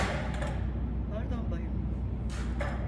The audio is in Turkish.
Pardon bayım.